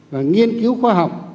và nghiên cứu khoa học